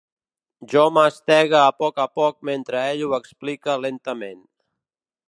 Jo mastega a poc a poc mentre ell ho explica lentament.